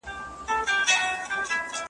په زرګونو مي لا نور یې پوروړی `